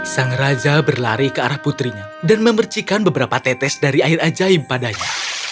sang raja berlari ke arah putrinya dan memercikan beberapa tetes dari air ajaib padanya